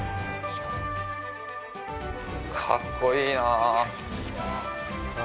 かっこいいなあ。